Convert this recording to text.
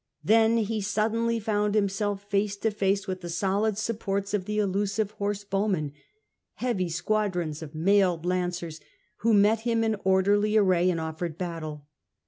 Then he suddenly found himself face to face with the solid supports of the elusive horse bowmen — heavy squadrons of mailed lancers, who met him in orderly array and offered battle.